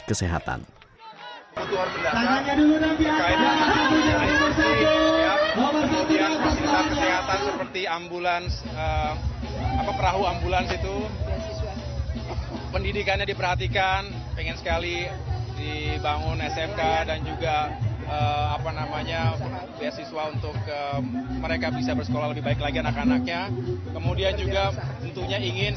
keseluruhan dan kemampuan